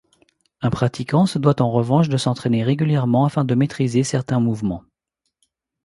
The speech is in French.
Un pratiquant se doit en revanche de s'entraîner régulièrement afin de maîtriser certains mouvements.